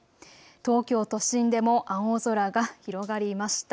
東京都心でも青空が広がりました。